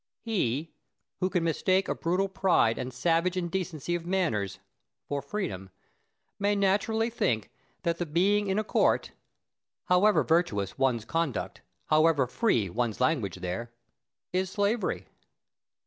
Plato. He who can mistake a brutal pride and savage indecency of manners for freedom may naturally think that the being in a court (however virtuous one's conduct, however free one's language there) is slavery.